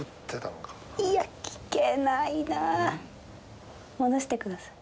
いや聞けないな戻してください